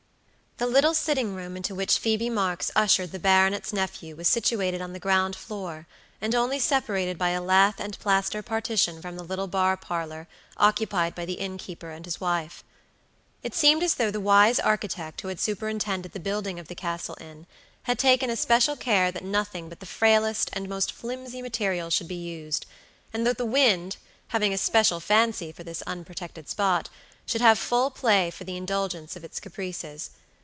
The little sitting room into which Phoebe Marks ushered the baronet's nephew was situated on the ground floor, and only separated by a lath and plaster partition from the little bar parlor occupied by the innkeeper and his wife. It seemed as though the wise architect who had superintended the building of the Castle Inn had taken especial care that nothing but the frailest and most flimsy material should be used, and that the wind, having a special fancy for this unprotected spot, should have full play for the indulgence of its caprices.